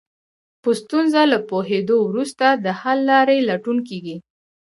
په ستونزه له پوهېدو وروسته د حل لارې لټون کېږي.